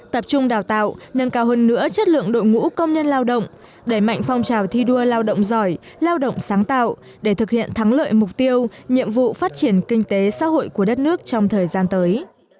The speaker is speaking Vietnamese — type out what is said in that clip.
tập trung đào tạo nâng cao hơn nữa chất lượng đội ngũ công nhân lao động đẩy mạnh phong trào thi đua lao động giỏi lao động sáng tạo để thực hiện thắng lợi mục tiêu nhiệm vụ phát triển kinh tế xã hội của đất nước trong thời gian tới